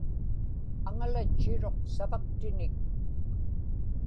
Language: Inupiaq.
aŋalatchiruq savaktinik